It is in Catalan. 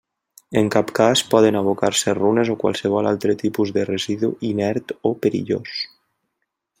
En cap cas poden abocar-se runes o qualsevol altre tipus de residu inert o perillós.